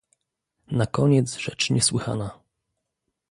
"Nakoniec rzecz niesłychana!"